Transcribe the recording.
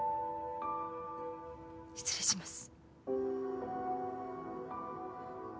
失礼します。